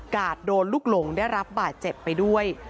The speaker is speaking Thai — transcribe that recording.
โดนลูกหลงได้รับบาดเจ็บไปด้วย